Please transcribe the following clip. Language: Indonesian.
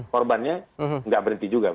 korbannya tidak berhenti juga